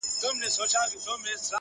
o څه کوه، څه پرېږده٫